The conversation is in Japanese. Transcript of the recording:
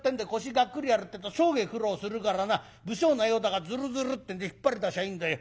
ガックリやるってえと生涯苦労するからな不精のようだがズルズルってんで引っ張り出しゃいいんだよ。